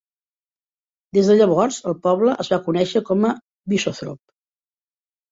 Des de llavors, el poble es va conèixer com a Bishopthorpe.